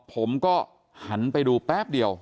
ผมก็หันไปดูแป๊บเดียว